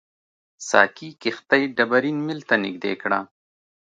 ساقي کښتۍ ډبرین میل ته نږدې کړه.